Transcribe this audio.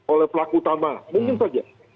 oleh pelaku utama mungkin saja